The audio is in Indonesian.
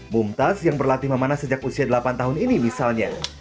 bumtaz yang berlatih memanah sejak usia delapan tahun ini misalnya